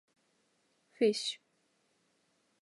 fish